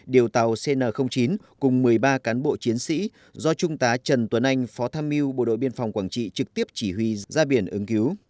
điều tàu cn chín cùng một mươi ba cán bộ chiến sĩ do trung tá trần tuấn anh phó tham mưu bộ đội biên phòng quảng trị trực tiếp chỉ huy ra biển ứng cứu